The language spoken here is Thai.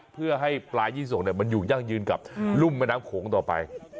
เพื่อให้ปลายี่สงมันอยู่ยั่งยืนกับรุ่มแม่น้ำโขงต่อไป